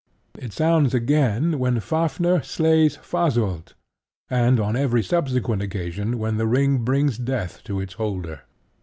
It sounds again when Fafnir slays Fasolt, and on every subsequent occasion when the ring brings death to its holder.